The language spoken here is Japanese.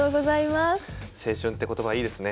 青春って言葉いいですね。